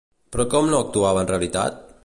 Però com no actuava en realitat?